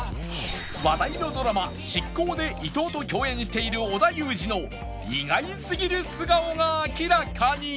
話題のドラマ『シッコウ！！』で伊藤と共演している織田裕二の意外すぎる素顔が明らかに！